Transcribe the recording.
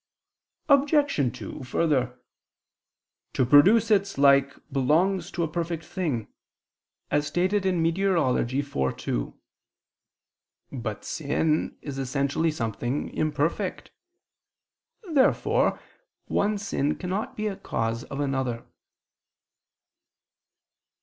Obj. 2: Further, "to produce its like belongs to a perfect thing," as stated in Meteor. iv, 2 [*Cf. De Anima ii.]. But sin is essentially something imperfect. Therefore one sin cannot be a cause of another.